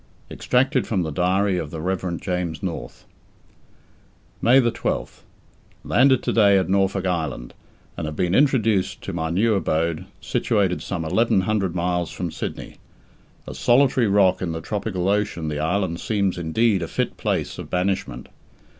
EXTRACTED FROM THE DIARY OF THE REV. JAMES NORTH. May 12th landed to day at Norfolk Island, and have been introduced to my new abode, situated some eleven hundred miles from Sydney. A solitary rock in the tropical ocean, the island seems, indeed, a fit place of banishment.